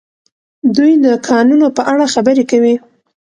دوی د کانونو په اړه خبرې کوي.